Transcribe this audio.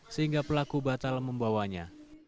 sehingga pelaku batal membawanya